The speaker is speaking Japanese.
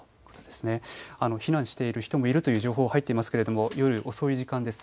避難している人もいるという情報が入っていますが夜遅い時間です。